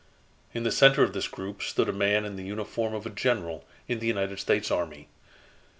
In the center of this group stood a man in the uniform of a General in the United States Army.